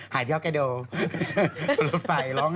หายเที่ยวแกยโดรถไฟร้องไห้